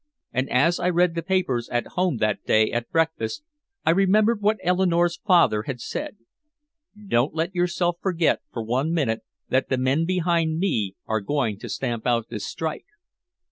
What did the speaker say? And as I read the papers, at home that day at breakfast, I remembered what Eleanore's father had said: "Don't let yourself forget for one minute that the men behind me are going to stamp out this strike."